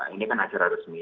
ini kan acara resmi